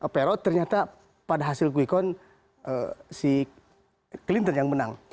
perot ternyata pada hasil kuikon si clinton yang menang